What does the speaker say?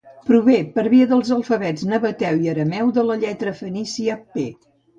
Prové, per via dels alfabets nabateu i arameu, de la lletra fenícia pe.